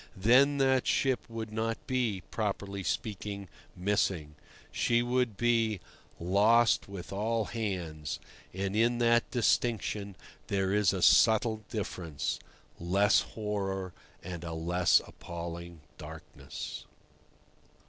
Then that ship would not be, properly speaking, missing. She would be "lost with all hands," and in that distinction there is a subtle difference—less horror and a less appalling darkness.